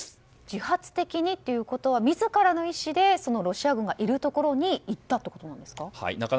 自発的にということは自らの意思でロシア軍がいるところに行ったというんですか。